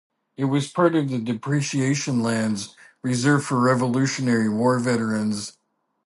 It was part of the Depreciation Lands reserved for Revolutionary War veterans.